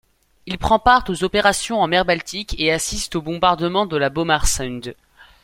Il prend part aux opérations en mer Baltique et assiste au bombardement de Bomarsund.